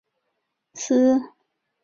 你又唔系警察！